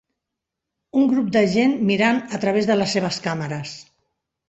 un grup de gent mirant a través de les seves càmeres